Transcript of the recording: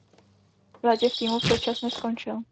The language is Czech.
V létě v týmu předčasně skončil.